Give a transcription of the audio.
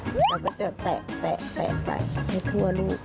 เราก็จะแตะไปให้ทั่วรูป